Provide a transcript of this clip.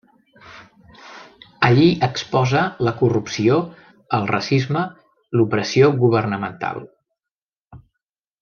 Allí exposa la corrupció, el racisme, l'opressió governamental.